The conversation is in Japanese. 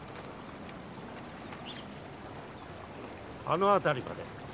あのあたりまで。